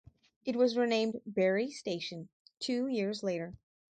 It was renamed "Berry Station" two years later.